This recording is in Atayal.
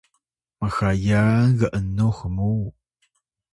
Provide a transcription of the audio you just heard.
mxayan g’nux muw